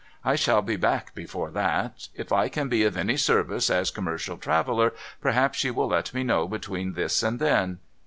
I shall be back before that. If I can be of any service, as commercial traveller, perhaps you will let me know between this and then.